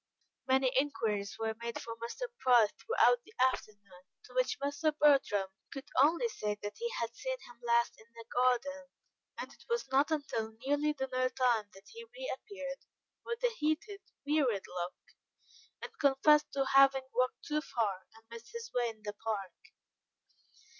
Many inquiries were made for Mr. Price throughout the afternoon, to which Mr. Bertram could only say that he had seen him last in the garden, and it was not until nearly dinner time that he reappeared, with a heated, wearied look, and confessed to having walked too far and missed his way in the park.